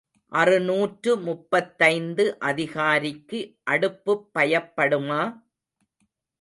அறுநூற்று முப்பத்தைந்து அதிகாரிக்கு அடுப்புப் பயப்படுமா?